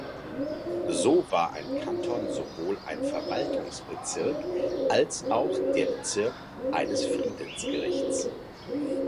So war ein Kanton sowohl ein Verwaltungsbezirk als auch der Bezirk eines Friedensgerichts.